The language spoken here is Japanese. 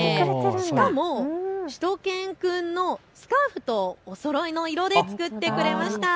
しかもしゅと犬くんのスカーフとおそろいの色で作ってくれました。